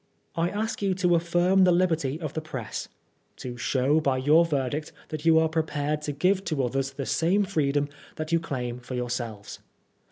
I ask you to affirm the liberty of the press, to show by your verdict that you are prepared to give to others the same freedom that you ckom for yourselves.